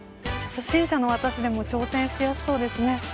初心者の私でも挑戦しやすそうですね。